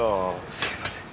すいません。